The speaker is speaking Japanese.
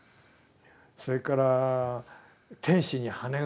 それから天使に羽があると。